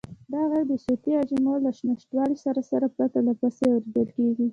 دا غږ د صوتي امواجو له نشتوالي سره سره پرله پسې اورېدل کېږي.